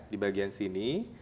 di bagian sini